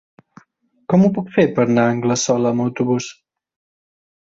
Com ho puc fer per anar a Anglesola amb autobús?